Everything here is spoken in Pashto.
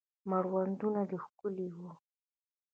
مړوندونه دې ښکلي وه